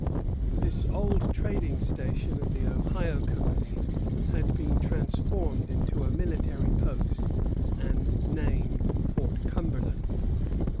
This old trading station of the Ohio Company had been transformed into a military post and named Fort Cumberland.